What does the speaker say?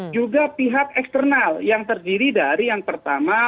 juga pihak eksternal yang terdiri dari yang pertama